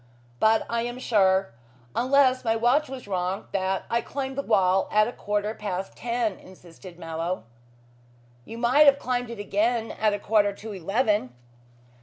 "But I am sure unless my watch was wrong, that I climbed the wall at a quarter past ten," insisted Mallow. "You might have climbed it again at a quarter to eleven."